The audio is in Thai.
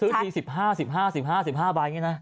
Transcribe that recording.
ซื้อจริง๑๕บาทอย่างนี้นะ